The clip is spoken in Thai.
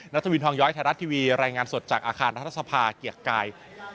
ทวินทองย้อยไทยรัฐทีวีรายงานสดจากอาคารรัฐสภาเกียรติกาย